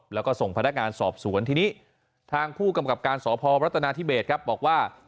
แล้วก็ส่งพนักงานสอบสวนทีนี้ทางผู้กำกับการสพรัฐนาธิเบสครับบอกว่า